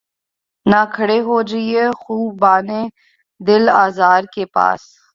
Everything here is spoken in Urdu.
نہ کھڑے ہوجیے خُوبانِ دل آزار کے پاس